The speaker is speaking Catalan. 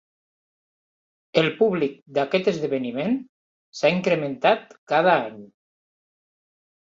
El públic d'aquest esdeveniment s'ha incrementat cada any.